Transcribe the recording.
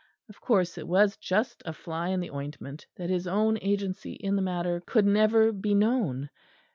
Of course it was just a fly in the ointment that his own agency in the matter could never be known.